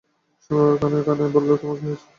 সুমী বাবার কানে-কানে বলল, তোমার কী হয়েছে বাবা?